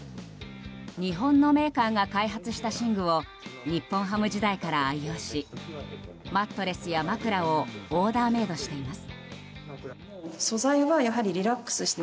日本のメーカーが開発した寝具を日本ハム時代から愛用しマットレスや枕をオーダーメードしています。